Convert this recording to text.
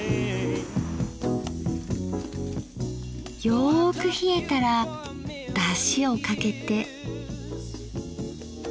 よく冷えたらだしをかけて。